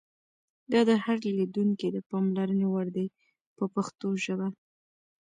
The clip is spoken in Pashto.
دا د هر لیدونکي د پاملرنې وړ دي په پښتو ژبه.